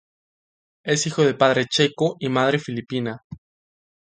Es hijo de padre checo y madre filipina.